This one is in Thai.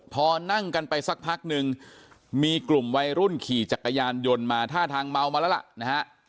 พอนั่งกันไปสักพักนึงมีกลุ่มวัยรุ่นขี่จักรยานยนต์มาท่าทางเมามาแล้วล่ะนะฮะ